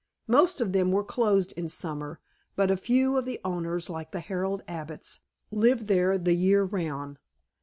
Most them were closed in summer, but a few of the owners, like the Harold Abbotts, lived there the year round.